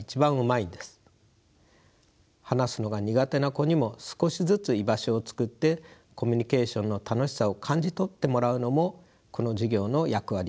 話すのが苦手な子にも少しずつ居場所をつくってコミュニケーションの楽しさを感じ取ってもらうのもこの授業の役割です。